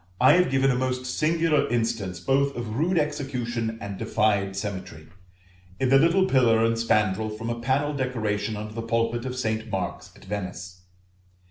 1 I have given a most singular instance both of rude execution and defied symmetry, in the little pillar and spandril from a panel decoration under the pulpit of St. Mark's at Venice.